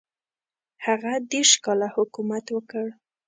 هغه دېرش کاله حکومت وکړ.